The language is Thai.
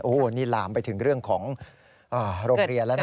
โอ้โหนี่ลามไปถึงเรื่องของโรงเรียนแล้วนะ